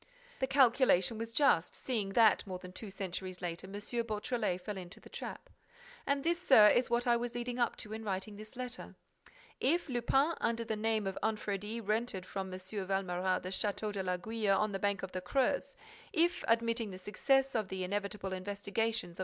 The calculation was just, seeing that, more than two centuries later, M. Beautrelet fell into the trap. And this, Sir, is what I was leading up to in writing this letter. If Lupin, under the name of Anfredi, rented from M. Valméras the Château de l'Aiguille on the bank of the Creuse; if, admitting the success of the inevitable investigations of M.